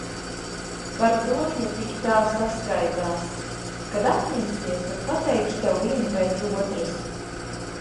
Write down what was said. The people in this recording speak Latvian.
Par to viņa tik tā saskaitās. Kad apņemsies, tad pateikšu tev vienu pēc otras.